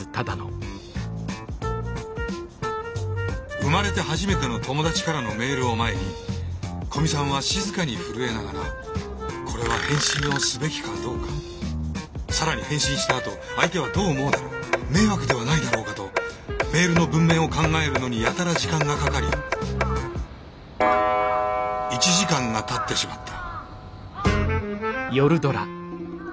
生まれて初めての友達からのメールを前に古見さんは静かに震えながらこれは返信をすべきかどうか更に返信したあと相手はどう思うだろう迷惑ではないだろうかとメールの文面を考えるのにやたら時間がかかり１時間がたってしまった。